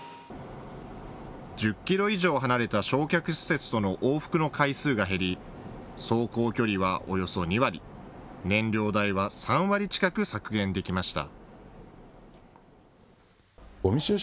１０キロ以上離れた焼却施設との往復の回数が減り走行距離はおよそ２割、燃料代は３割近く削減できました。